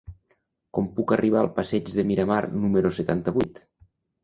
Com puc arribar al passeig de Miramar número setanta-vuit?